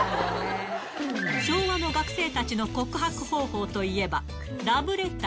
昭和の学生たちの告白方法といえば、ラブレター。